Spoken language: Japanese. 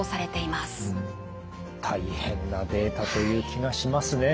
大変なデータという気がしますね。